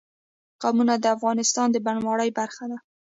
قومونه د افغانستان د بڼوالۍ برخه ده.